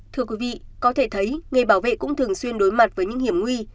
thưa quý vị có thể thấy nghề bảo vệ cũng thường xuyên đối mặt với những hiểm nguy